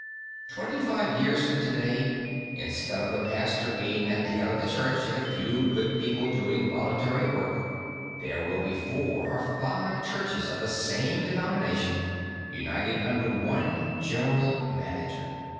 Twenty five years from to day, instead of the pastor being at the head of the church and a few good people doing voluntary work, there will be four or five churches of the same denomination united under one general manager.